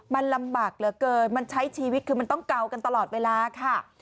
มันลำบากเหลือเกินมันใช้ชีวิตคือมันต้องเกากันตลอดเวลาค่ะ